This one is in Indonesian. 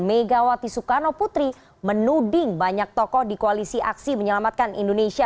megawati soekarno putri menuding banyak tokoh di koalisi aksi menyelamatkan indonesia